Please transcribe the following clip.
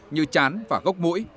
như chán và gốc mũi